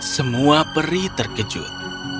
semua peri terkejut